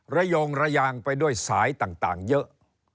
โยงระยางไปด้วยสายต่างเยอะ